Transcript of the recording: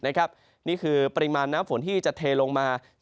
นี่คือปริมาณน้ำฝนที่จะเทลงมา